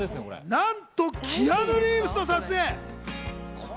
なんとキアヌ・リーブスの撮影。